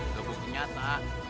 itu bu ternyata